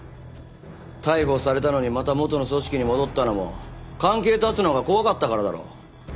逮捕されたのにまた元の組織に戻ったのも関係絶つのが怖かったからだろ。